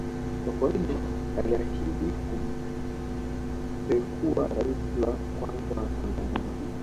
sokoine aliahidi kumpekua raisi wa kwanza wa tanzania